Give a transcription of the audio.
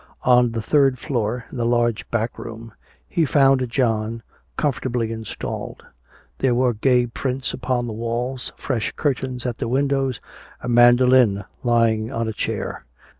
On the third floor, in the large back room, he found John comfortably installed. There were gay prints upon the walls, fresh curtains at the windows, a mandolin lying on a chair.